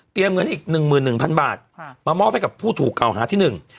เงินอีกหนึ่งหมื่นหนึ่งพันบาทมามอบให้กับผู้ถูกเก่าหาที่หนึ่ง